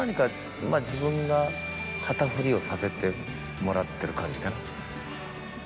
自分が旗振りをさせてもらってる感じかな。